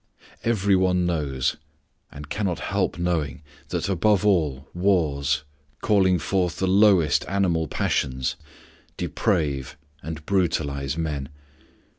Every one knows and cannot help knowing that, above all, wars, calling forth the lowest animal passions, deprave and brutalize men.